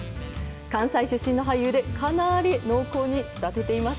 関西出身の俳優で、かなり濃厚に仕立てています。